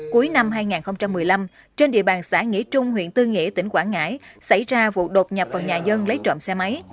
cuối năm hai nghìn một mươi năm trên địa bàn xã nghĩa trung huyện tư nghĩa tỉnh quảng ngãi xảy ra vụ đột nhập vào nhà dân lấy trộm xe máy